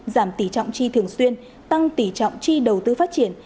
giảm tỷ trọng chi thường xuyên tăng tỉ trọng chi đầu tư phát triển